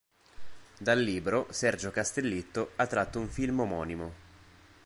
Dal libro, Sergio Castellitto ha tratto un film omonimo.